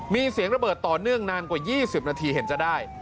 มีเสียงระเบิดต่อเนื่องนานกว่า๒๐นาทีเห็นจะได้